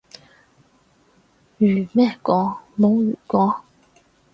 如咩果？冇如果